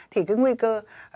thì cái nguy cơ